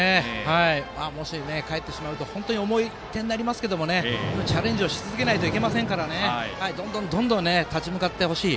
もしかえってしまうと本当に重い点になりますけどでもチャレンジし続けないといけませんからどんどん立ち向かってほしい。